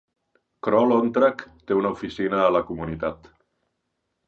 Kroll Ontrack té una oficina a la comunitat.